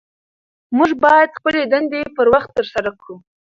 موږ باید خپلې دندې پر وخت ترسره کړو